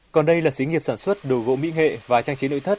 còn đây là xí nghiệp sản xuất đồ gỗ mỹ nghệ và trang trí nội thất